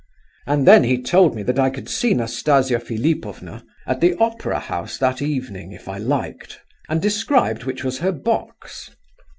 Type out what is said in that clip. And then he told me that I could see Nastasia Philipovna at the opera house that evening, if I liked, and described which was her box.